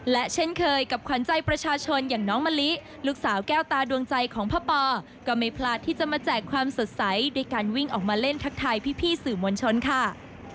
และเช่นเคยกับขวัญใจประชาชนอย่างน้องมะลิลูกสาวแก้วตาดวงใจของพ่อปอก็ไม่พลาดที่จะมาแจกความสดใสด้วยการวิ่งออกมาเล่นทักทายพี่สื่อมวลชนค่ะ